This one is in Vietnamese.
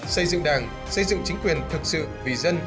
xây dựng đảng xây dựng chính quyền thực sự vì dân